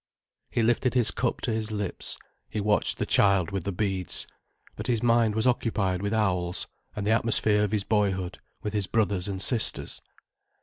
He lifted his cup to his lips, he watched the child with the beads. But his mind was occupied with owls, and the atmosphere of his boyhood, with his brothers and sisters.